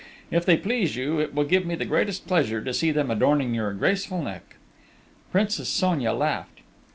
If they please you, it will give me the greatest pleasure to see them adorning your graceful neck." Princess Sonia laughed.